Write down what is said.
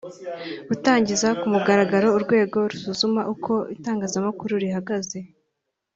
gutangiza ku mugaragaro urwego rusuzuma uko itangazamakuru rihagaze